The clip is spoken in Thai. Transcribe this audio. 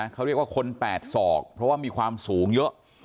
เขาเรียกว่าคน๘ศอกเพราะว่ามีความสูงเยอะ